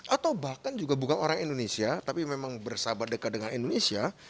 atau bahkan juga bukan orang indonesia tapi memang bersahabat dekat dengan indonesia